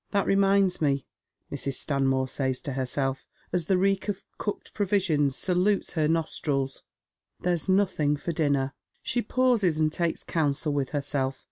" That reminds me," Mrs. Stanmore says to herself, as the reek of cooked provisions salutes her nostrils, " there's nothing for dinner." She pauses and takes counsel with herself.